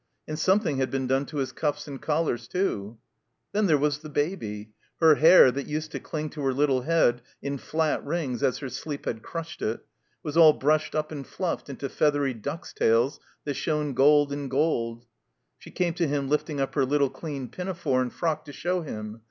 And something had been done to his cuffs and collars, too. Then there was the Baby. Her hair, that used to cUng to her little head in flat rings as her sleep had crushed it, was all brushed up and fluffed into feathery ducks' tails that shone gold in gold. She came to him lifting up her little dean pinafore and frock to show him.